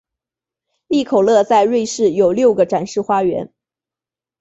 利口乐在瑞士有六个展示花园。